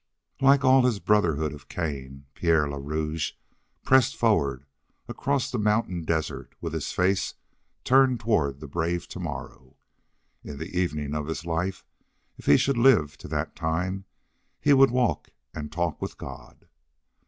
Like all his brotherhood of Cain, Pierre le Rouge pressed forward across the mountain desert with his face turned toward the brave tomorrow. In the evening of his life, if he should live to that time, he would walk and talk with God.